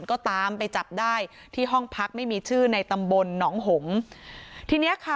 ก็ตามไปจับได้ที่ห้องพักไม่มีชื่อในตำบลน้องหงศ์